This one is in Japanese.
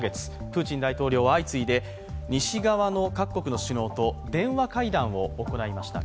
プーチン大統領は相次いで西側の各国の首脳と電話会談を行いました。